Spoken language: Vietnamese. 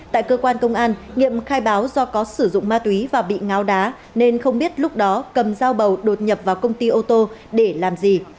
tại cơ quan công an nghiệm khai báo do có sử dụng ma túy và bị ngáo đá nên không biết lúc đó cầm dao bầu đột nhập vào công ty ô tô để làm gì